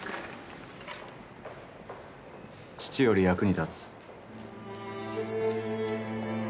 父より役に立つ。